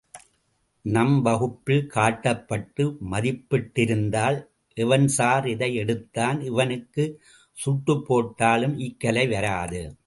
நம் வகுப்பில் காட்டப்பட்டு மதிப்பிடப்பட்டிருந்தால், எவன் சார் இதை எடுத்தான்? இவனுக்கு சுட்டுப் போட்டாலும் இக்கலை வராது.